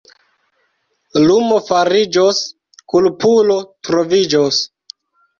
Lumo fariĝos, kulpulo troviĝos.